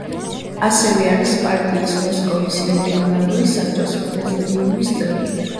ასევე არის პარტიის მოსკოვის რეგიონალური საბჭოს პრეზიდიუმის წევრი.